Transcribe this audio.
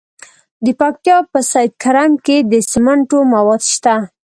د پکتیا په سید کرم کې د سمنټو مواد شته.